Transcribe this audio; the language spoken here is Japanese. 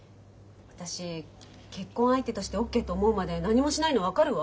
私結婚相手としてＯＫと思うまで何もしないの分かるわ。